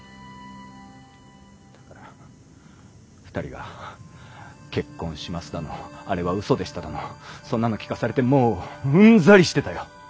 だから２人が「結婚します」だの「あれは嘘でした」だのそんなの聞かされてもううんざりしてたよ。